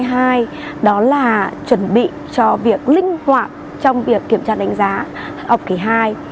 thứ hai đó là chúng mình nên chuẩn bị các bình thức cá nhân